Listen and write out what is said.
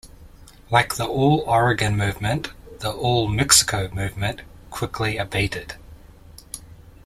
Like the All Oregon movement, the All Mexico movement quickly abated.